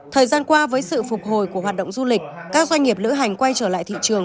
thời gian qua với sự phục hồi của hoạt động du lịch các doanh nghiệp lữ hành quay trở lại thị trường